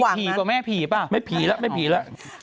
หรือผีผีเปล่าไหมไม่ผีแล้ว